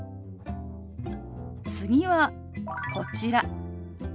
次はこちら。